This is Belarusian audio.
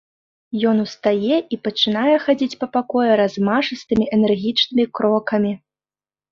Ён устае і пачынае хадзіць па пакоі размашыстымі энергічнымі крокамі.